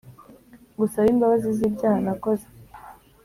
Ngusabe imbabazi zibyaha nakoze